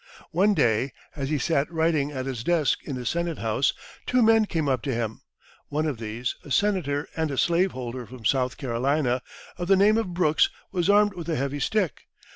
One day, as he sat writing at his desk in the Senate House, two men came up to him. One of these, a Senator and a slaveholder from South Carolina, of the name of Brooks, was armed with a heavy stick.